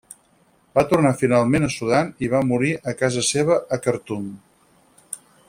Va tornar finalment a Sudan i va morir a casa seva a Khartum.